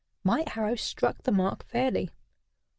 My arrow struck the mark fairly.